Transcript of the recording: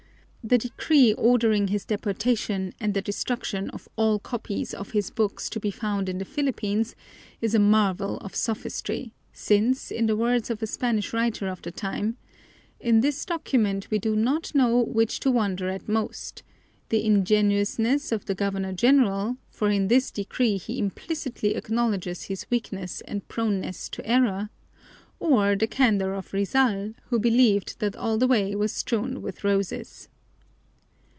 The decree ordering this deportation and the destruction of all copies of his books to be found in the Philippines is a marvel of sophistry, since, in the words of a Spanish writer of the time, "in this document we do not know which to wonder at most: the ingenuousness of the Governor General, for in this decree he implicitly acknowledges his weakness and proneness to error, or the candor of Rizal, who believed that all the way was strewn with roses."